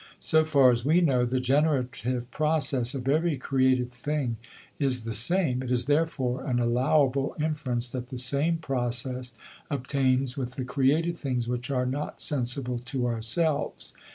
So far as we know, the generative process of every created thing is the same; it is, therefore, an allowable inference that the same process obtains with the created things which are not sensible to ourselves.